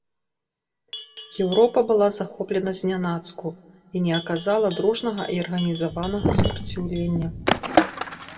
Еўропа была захоплена знянацку і не аказала дружнага і арганізаванага супраціўлення.